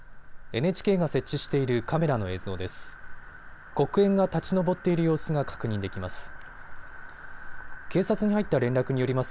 ＮＨＫが設置しているカメラの映像です。